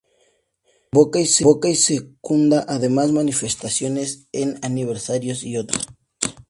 Convoca y secunda además manifestaciones en aniversarios y otros actos.